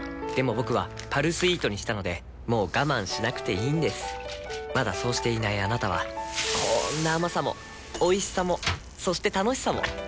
僕は「パルスイート」にしたのでもう我慢しなくていいんですまだそうしていないあなたはこんな甘さもおいしさもそして楽しさもあちっ。